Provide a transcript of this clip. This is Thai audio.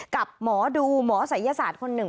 กับหมอดูหมอศัยศาสตร์คนหนึ่ง